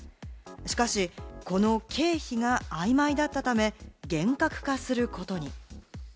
しかし、この経費が曖昧だったため、厳格化することに。